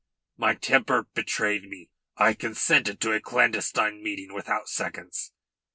My temper betrayed me. I consented to a clandestine meeting without seconds.